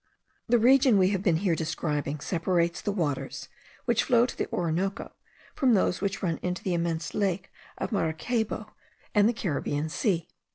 The region we have been here describing separates the waters which flow to the Orinoco from those which run into the immense lake of Maracaybo and the Caribbean Sea.